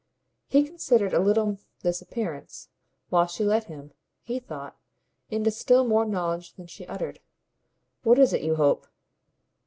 He considered a little this appearance, while she let him, he thought, into still more knowledge than she uttered. "What is it you hope?"